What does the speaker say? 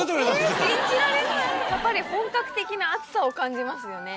やっぱり本格的な熱さを感じますよね